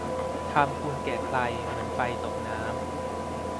ทำคุณแก่ใคร เหมือนไฟตกน้ำ